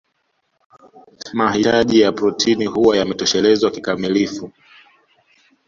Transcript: Mahitaji ya protini huwa yametoshelezwa kikamilifu